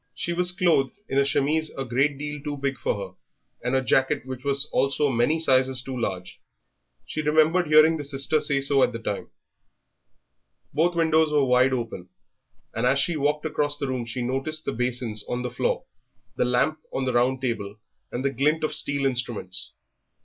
She was clothed in a chemise a great deal too big for her, and a jacket which was also many sizes too large. She remembered hearing the sister say so at the time. Both windows were wide open, and as she walked across the room she noticed the basins on the floor, the lamp on the round table, and the glint of steel instruments.